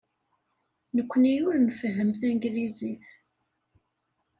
Nekkni ur nfehhem tanglizit.